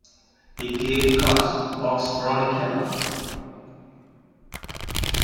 He gave Karsh a Box Brownie camera.